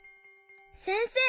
せんせい！